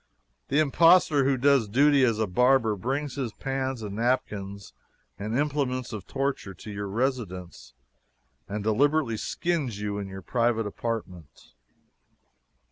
The impostor who does duty as a barber brings his pans and napkins and implements of torture to your residence and deliberately skins you in your private apartments.